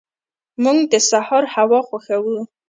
موږ د سهار هوا خوښو.